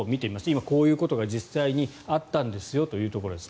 今、こういうことが実際にあったんですよというところです。